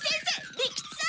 利吉さん！